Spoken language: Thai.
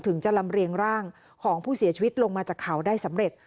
ถึงจะลำเรียงร่างของผู้เสียชีวิตลงมาจากเขาได้สำเร็จ